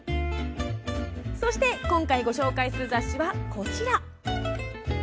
そして、今回ご紹介する雑誌はこちら。